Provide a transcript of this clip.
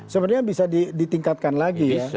sebenarnya bisa ditingkatkan lagi ya